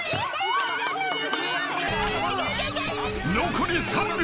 ［残り３秒］